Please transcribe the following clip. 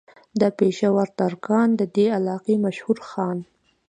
دا پېشه ور ترکاڼ د دې علاقې مشهور خان